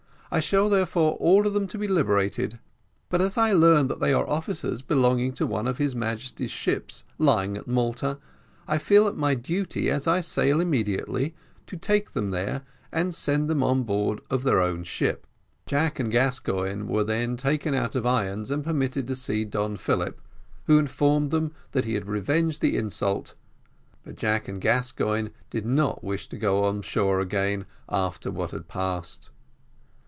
I shall therefore order them to be liberated. But, as I learn that they are officers belonging to one of his Majesty's ships lying at Malta, I feel it my duty, as I sail immediately, to take them there and send them on board of their own ship." Jack and Gascoigne were then taken out of irons and permitted to see Don Philip, who informed him that he had revenged the insult, but Jack and Gascoigne did not wish to go on shore again after what had passed.